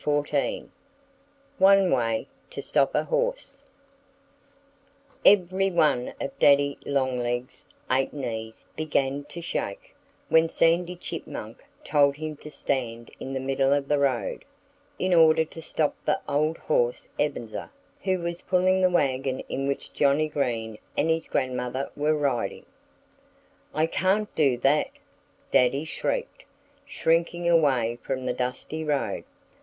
XIV ONE WAY TO STOP A HORSE EVERY one of Daddy Longlegs' eight knees began to shake, when Sandy Chipmunk told him to stand in the middle of the road, in order to stop the old horse Ebenezer, who was pulling the wagon in which Johnnie Green and his grandmother were riding. "I can't do that!" Daddy shrieked, shrinking away from the dusty road.